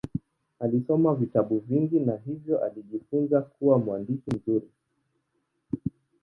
Alisoma vitabu vingi na hivyo alijifunza kuwa mwandishi mzuri.